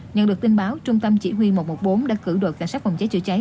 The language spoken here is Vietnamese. nhận được tin báo trung tâm chỉ huy một trăm một mươi bốn đã cử đội cảnh sát phòng cháy chữa cháy